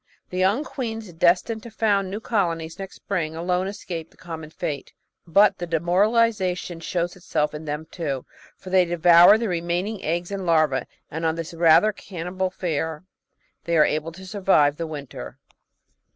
The young queens destined to found new colonies next spring alone escape the common fate, but the demoralisation shows itself in them too, for they devour the remaining eggs and larvse, and on this rather cannibal fare they are able to survive the winter.